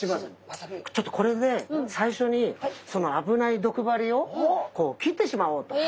ちょっとこれで最初にその危ない毒針をこう切ってしまおうと。